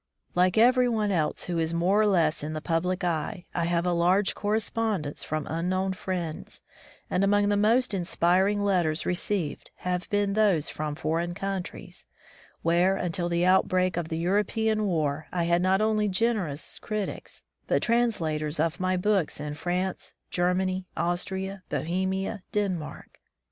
Like every one else who is more or less in the public eye, I have a large correspondence from unknown friends, and among the most inspiring letters received have been those from foreign coxmtries, where, until the outbreak of the European war, I had not 192 The Saul of the White Man only generous critics^ but translators of my books in France, Germany, Austria, Bohemia, Denmark.